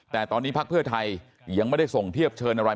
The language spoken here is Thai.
แต่ตอนนี้พักเพื่อไทยยังไม่ได้ส่งเทียบเชิญอะไร